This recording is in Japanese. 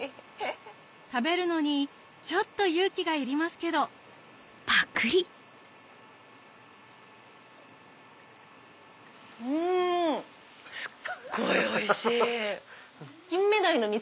食べるのにちょっと勇気がいりますけどうんすっごいおいしい。